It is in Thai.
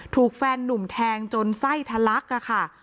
ถูกแฟนนุ่มแทงจนใส่ทันลักษณ์ค่ะ